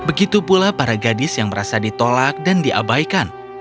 begitu pula para gadis yang merasa ditolak dan diabaikan